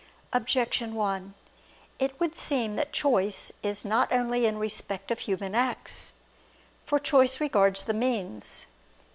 Objection 1: It would seem that choice is not only in respect of human acts. For choice regards the means.